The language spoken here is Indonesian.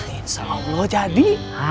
insya allah jadi